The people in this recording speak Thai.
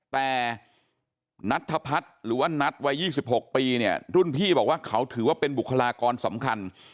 แต่นัทธพัฒน์หรือว่านัทวัย๒๖ปีเนี่ยรุ่นพี่บอกว่าเขาถือว่าเป็นบุคลากรสำคัญ